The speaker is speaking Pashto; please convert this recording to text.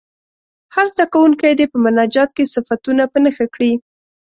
هر زده کوونکی دې په مناجات کې صفتونه په نښه کړي.